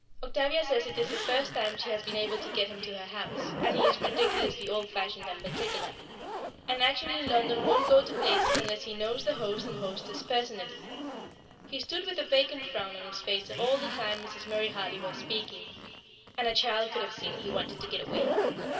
Octavia says it is the first time she has been able to get him to her house, as he is ridiculously old fashioned and particular, and actually in London won't go to places unless he knows the host and hostess personally. He stood with a vacant frown on his face all the time Mrs. Murray Hartley was speaking, and a child could have seen he wanted to get away.